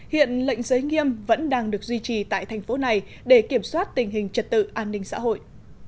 hiện lệnh giới nghiêm vẫn đang được duy trì tại thành phố này để kiểm soát tình hình trật tự an ninh xã hội